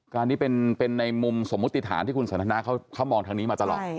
การนี้เป็นในมุมสมมุติฐานที่คุณสันทนาเขามองทางนี้มาตลอด